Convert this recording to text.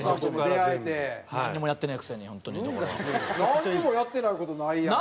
なんにもやってない事ないやんか。